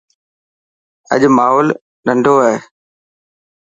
اڄ ماحول نندو هي